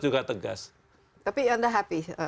juga tegas tapi anda happy